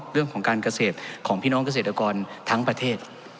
เรื่องของการเกษตรของพี่น้องเกษตรกรทั้งประเทศ